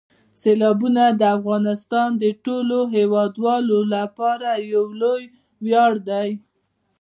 سیلابونه د افغانستان د ټولو هیوادوالو لپاره یو لوی ویاړ دی.